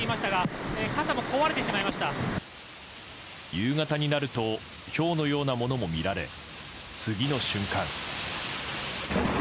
夕方になるとひょうのようなものも見られ次の瞬間。